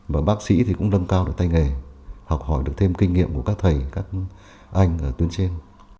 và bác sĩ thì cũng lân cao được tay nghề học hỏi được thêm kinh nghiệm của các thầy các anh ở tuyến trên